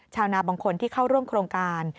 ชาวนาบางคนที่เข้าร่วมโครงการ